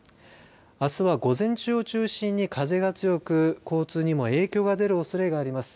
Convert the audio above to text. あすは午前中を中心に風が強く交通にも影響が出るおそれがります。